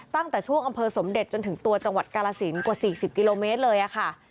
ตั้งแต่ช่วงอำเภอสมเด็จจนถึงตัวจังหวัดกาลสินกว่า๔๐กิโลเมตรเลยค่ะ